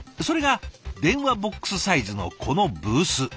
それが電話ボックスサイズのこのブース。